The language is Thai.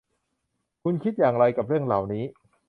คุณคิดอย่างไรกับเรื่องเหล่านี้